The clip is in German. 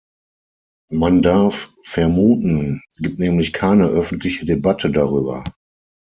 Man darf "vermuten" gibt nämlich keine öffentliche Debatte darüber.